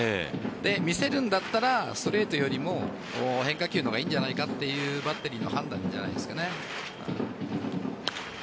見せるんだったらストレートよりも変化球の方がいいんじゃないかというバッテリーの判断じゃないですかね。